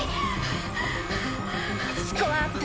スコアアップ。